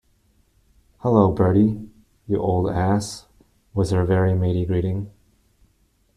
"Hallo, Bertie, you old ass," was her very matey greeting.